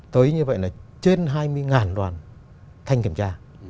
tới như vậy là trên hai mươi đoàn thanh kiểm tra